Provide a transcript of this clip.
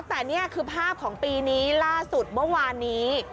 แต่นี่คือภาพของปีนี้ล่าสุดเมื่อวานนี้